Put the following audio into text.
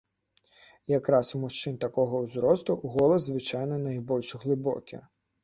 Якраз у мужчын такога ўзросту голас звычайна найбольш глыбокі.